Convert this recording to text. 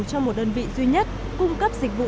cho một đơn vị duy nhất cung cấp dịch vụ